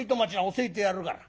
教えてやるから。